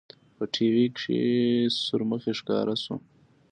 په ټي وي کښې چې سورمخى ښکاره سو.